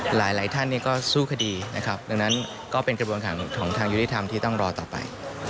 หลายท่านก็สู้คดีนะครับดังนั้นก็เป็นกระบวนการของทางยุติธรรมที่ต้องรอต่อไป